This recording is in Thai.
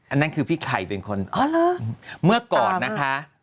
อ้าเหรออ้ามากเมื่อก่อนนะคะ